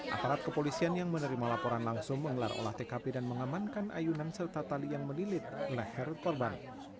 aparat kepolisian yang menerima laporan langsung mengelar olah tkp dan mengamankan ayunan serta tali yang melilit leher korban